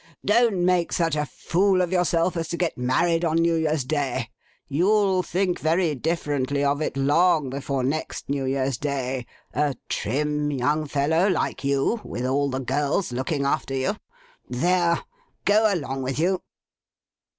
Don't make such a fool of yourself as to get married on New Year's Day. You'll think very differently of it, long before next New Year's Day: a trim young fellow like you, with all the girls looking after you. There! Go along with you!